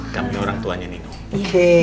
kami orang tuanya nino